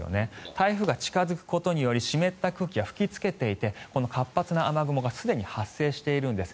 台風が近付くことにより湿った空気が吹きつけていて、活発な雨雲がすでに発生しているんです。